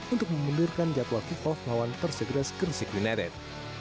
untuk memundirkan jadwal kick off lawan tersegeras kerisik united